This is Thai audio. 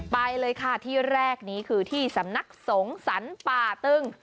ไปเลยค่ะที่แรกนี้คือที่สำนักสงสรรป่าตึง